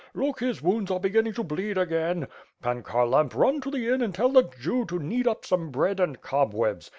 Look, his wounds are begin ning to bleed again. Pan Kharlamp run to the inn and tell the Jew to knead up some bread and cobwebs.